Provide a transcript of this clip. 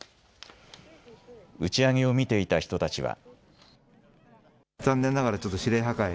打ち上げを見ていた人たちは。